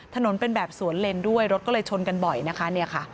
ถนนเป็นแบบสวนเลนด้วยรถก็เลยชนกันบ่อยนะคะเนี่ยค่ะ